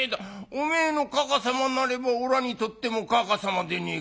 おめえのかかさまなればおらにとってもかかさまでねえか。